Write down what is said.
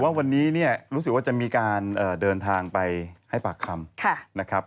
ว่าวันนี้เนี่ยรู้สึกว่าจะมีการเดินทางไปให้ปากคำนะครับ